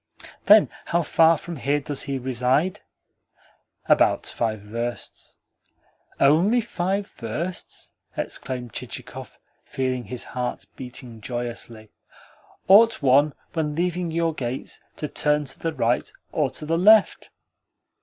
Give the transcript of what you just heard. "Then how far from here does he reside?" "About five versts." "Only five versts?" exclaimed Chichikov, feeling his heart beating joyously. "Ought one, when leaving your gates, to turn to the right or to the left?"